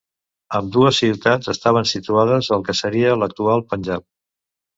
Ambdues ciutats estaven situades al que seria l'actual Panjab.